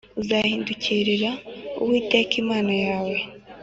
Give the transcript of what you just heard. uzahindukirira Uwiteka Imana yawe